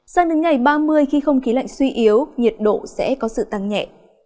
sang đến ngày ba mươi khi không khí lạnh suy yếu nhiệt độ sẽ có sự tăng nhẹ